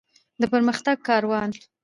د پرمختګ کاروان.